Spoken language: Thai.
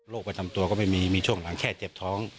ประจำตัวก็ไม่มีมีช่วงหลังแค่เจ็บท้อง